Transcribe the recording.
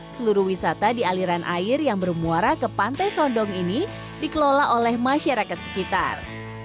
seluruh wisata di aliran air yang bermuara ke pantai sondong ini dikelola oleh masyarakat sekitar